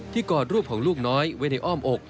กอดรูปของลูกน้อยไว้ในอ้อมอก